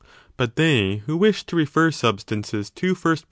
A T « «w But they who wish to refer substances to first 4.